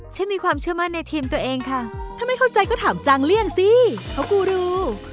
มีความเชื่อมั่นในทีมตัวเองค่ะถ้าไม่เข้าใจก็ถามจังเลี่ยงสิเพราะกูรู